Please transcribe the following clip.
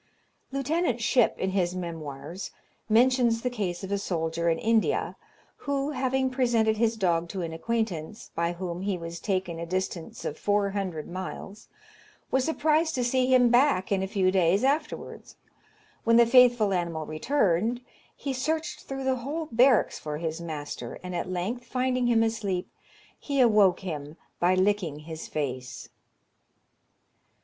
Lieutenant Shipp, in his Memoirs, mentions the case of a soldier in India, who, having presented his dog to an acquaintance, by whom he was taken a distance of four hundred miles, was surprised to see him back in a few days afterwards. When the faithful animal returned, he searched through the whole barracks for his master, and at length finding him asleep, he awoke him by licking his face.